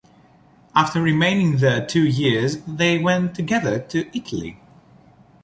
After remaining there two years, they went together to Italy.